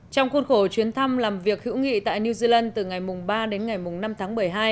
trong khuôn khổ chuyến thăm làm việc hữu nghị tại new zealand từ ngày ba đến ngày năm tháng một mươi hai